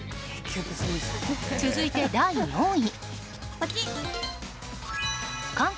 続いて、第４位。